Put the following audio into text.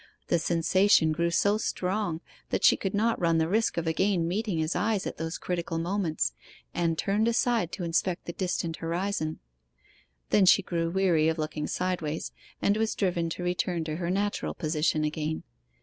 The sensation grew so strong that she could not run the risk of again meeting his eyes at those critical moments, and turned aside to inspect the distant horizon; then she grew weary of looking sideways, and was driven to return to her natural position again.